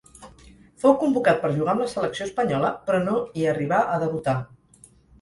Fou convocat per jugar amb la selecció espanyola però no hi arribà a debutar.